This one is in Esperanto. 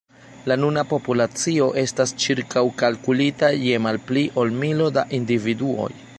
La nuna populacio estas ĉirkaŭkalkulita je malpli ol milo da individuoj.